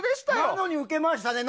なのに受けましたね。